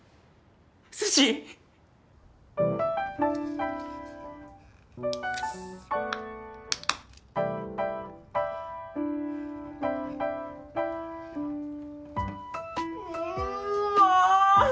すし⁉うんま！